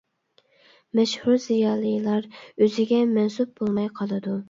مەشھۇر زىيالىيلار ئۆزىگە مەنسۇپ بولماي قالىدۇ!